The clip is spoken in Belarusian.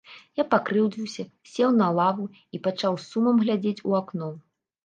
Я пакрыўдзіўся, сеў на лаву і пачаў з сумам глядзець у акно.